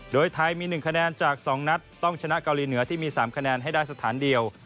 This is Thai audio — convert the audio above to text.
โดยไทยมี๑คะแนนจาก๒นัดต้องชนะเกาหลีเหนือที่มี๓คะแนนให้ได้สถานเดียว